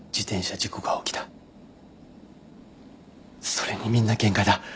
それにみんな限界だ